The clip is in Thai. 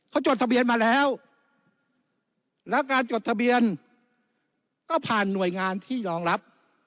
เขาจดทะเบียนมาแล้วแล้วการจดทะเบียนก็ผ่านหน่วยงานที่ยอมรับ